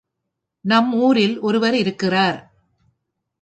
நம் ஊரில் ஒருவர் இருக்கிறார்.